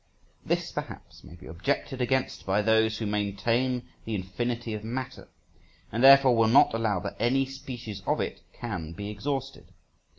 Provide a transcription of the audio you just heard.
This perhaps may be objected against by those who maintain the infinity of matter, and therefore will not allow that any species of it can be exhausted.